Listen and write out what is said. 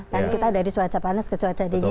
kan kita dari cuaca panas ke cuaca dingin